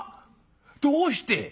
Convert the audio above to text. どうして？